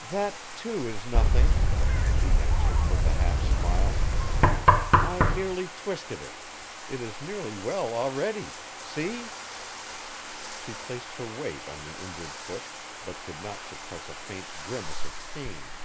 "That, too, is nothing," she answered with a half smile. "I merely twisted it; it is nearly well already. See!" She placed her weight on the injured foot, but could not suppress a faint grimace of pain.